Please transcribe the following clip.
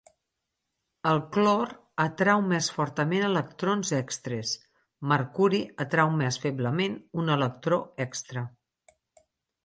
El clor atrau més fortament electrons extres; mercuri atrau més feblement un electró extra.